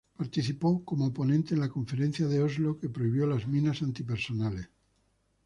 Participó como ponente en la Conferencia de Oslo que prohibió las minas antipersona.